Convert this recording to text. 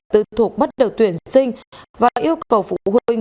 tư thuộc bắt đầu tuyển sinh và yêu cầu phụ huynh